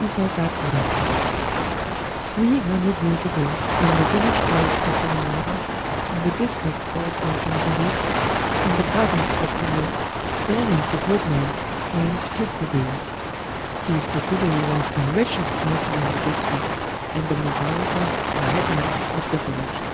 UBAZAKURA Three hundred years ago, in the village called Asamimura, in the district called Onsengōri, in the province of Iyō, there lived a good man named Tokubei. This Tokubei was the richest person in the district, and the muraosa, or headman, of the village.